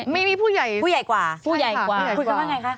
ไม่มีผู้ใหญ่ผู้ใหญ่กว่าคุยกันว่าไงคะ